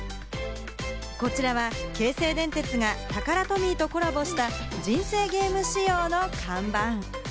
こちらは京成電鉄がタカラトミーとコラボした『人生ゲーム』仕様の看板。